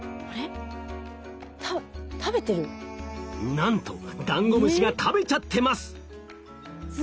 なんとダンゴムシが食べちゃってます！